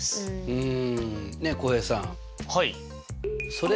うん。